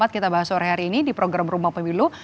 kita bahas sore hari ini di program rumah pemilu